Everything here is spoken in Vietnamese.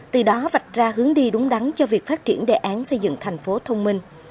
từ đó vạch ra hướng đi đúng đắn cho việc phát triển đề án xây dựng thành phố thông minh